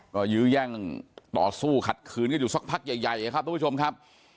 ก็ยื้อแย่งต่อสู้ขัดขืนกันอยู่สักพักใหญ่ครับทุกผู้ชมครับ